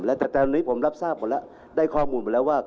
แล้วแต่ตอนนี้ผมรับทราบหมดแล้วได้ข้อมูลมาแล้วว่า